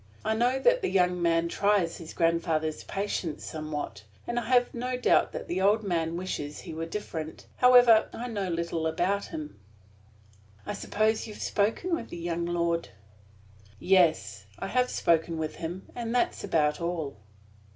"I know that the young man tries his grandfather's patience somewhat; and I have no doubt that the old man wishes he were different. However, I know but little about him." "I suppose you have spoken with the young lord?" "Yes. I have spoken with him, and that is about all."